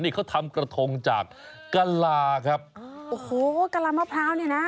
นี่เขาทำกระทงจากกะลาครับอ๋อโอ้โหกะลามะพร้าวเนี่ยนะ